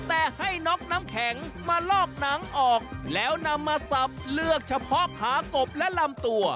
แต่ให้น็อกน้ำแข็งมาลอกหนังออกแล้วนำมาสับเลือกเฉพาะขากบและลำตัว